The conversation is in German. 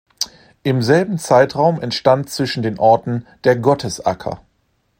Im selben Zeitraum entstand zwischen den Orten der Gottesacker.